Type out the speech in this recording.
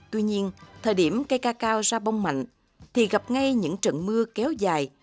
tuy nhiên thời điểm cây cacao ra bông mạnh thì gặp ngay những trận mưa kéo dài